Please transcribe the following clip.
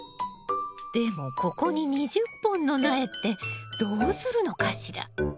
でもここに２０本の苗ってどうするのかしら？